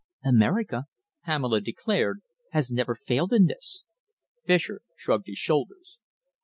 "America," Pamela declared, "has never failed in this." Fischer shrugged his shoulders.